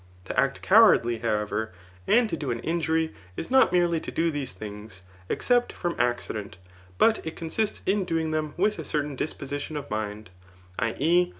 To act cowardly, however, and to do an injury. Is not merely to do these things, except from accident, but it consists in doing them with a certain dis position of mind [i. e.